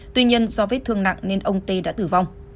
tuy nhiên do vết thương nặng nên ông tê đã tử vong